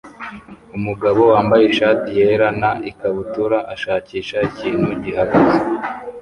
Umugabo wambaye ishati yera na ikabutura ashakisha ikintu gihagaze